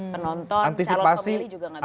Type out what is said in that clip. penonton calon pemilih juga gak bisa